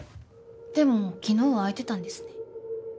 でも昨日は空いてたんですね。